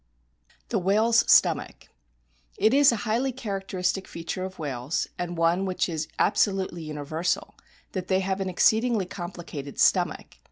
THE WHALE'S STOMACH It is a highly characteristic feature of whales, and one \vhich is absolutely universal, that they have an exceedingly complicated stomach.